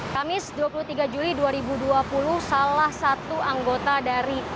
kamis dua puluh tiga juli dua ribu dua puluh